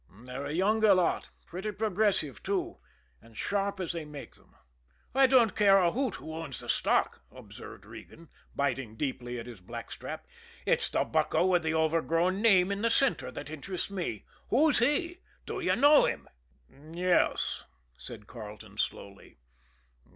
They're a younger lot, pretty progressive, too, and sharp as they make them." "I don't care a hoot who owns the stock," observed Regan, biting deeply at his blackstrap. "It's the bucko with the overgrown name in the center that interests me who's he? Do you know him?" "Yes," said Carleton slowly.